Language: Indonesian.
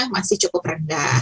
masih cukup rendah